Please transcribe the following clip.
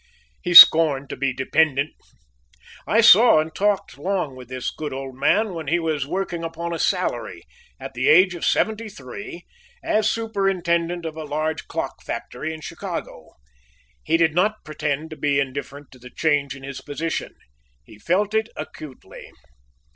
He scorned to be dependent. I saw and talked long with this good old man when he was working upon a salary, at the age of seventy three, as superintendent of a large clock factory in Chicago. He did not pretend to be indifferent to the change in his position. He felt it acutely.